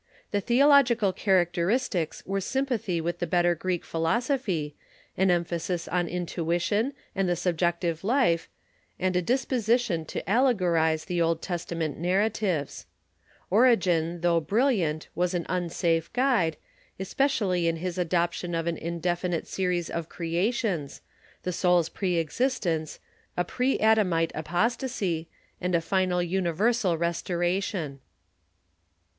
The theological characteristics were sympathy with the better Greek philosophy, an emphasis on intuition and the subjective life, and a disposition to allegorize the Old Testa ment narratives. Origen, though brilliant, was an unsafe guide, especially in his adojDtion of an indefinite series of creations, the soul's pre existence, a pre Adamite apostasy, and a final universal restoration.